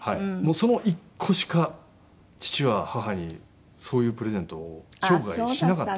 その１個しか父は母にそういうプレゼントを生涯しなかった。